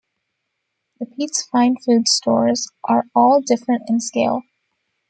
The Pete's Fine Foods stores are all different in scale.